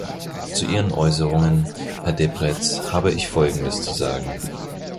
Zu Ihren Äußerungen, Herr Deprez, habe ich Folgendes zu sagen.